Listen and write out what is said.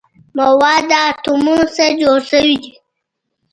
مواد له اتومونو جوړ شوي دي.